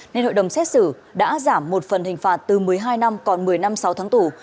nên hội đồng xét xử đã giảm một phần hình phạt từ một mươi hai năm còn một mươi năm sáu tháng tù